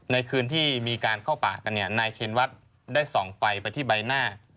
ในคืนที่มีการเข้าป่ากันนายเชนวัดได้ส่องไฟไปที่ใบหน้า